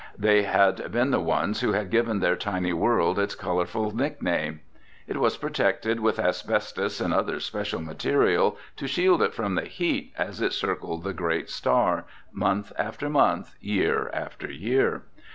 They had been the ones who had given their tiny world its colorful nickname. It was protected with asbestos and other special material to shield it from the heat as it circled the great star, month after month, year after year.